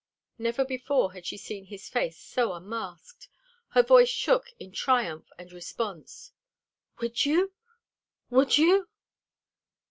Never before had she seen his face so unmasked. Her voice shook in triumph and response. "Would you? Would you?"